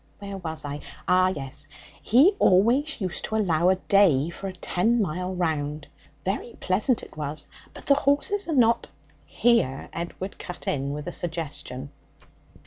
Where was I? Oh yes; he always used to allow a day for a ten mile round. Very pleasant it was, but the horses are not ' Here Edward cut in with a suggestion.